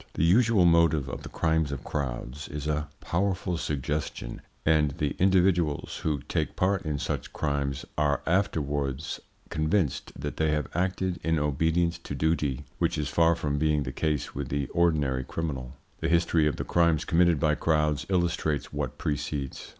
The usual motive of the crimes of crowds is a powerful suggestion, and the individuals who take part in such crimes are afterwards convinced that they have acted in obedience to duty, which is far from being the case with the ordinary criminal. The history of the crimes committed by crowds illustrates what precedes.